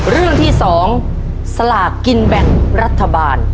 เรื่องที่๒สลากกินแบ่งรัฐบาล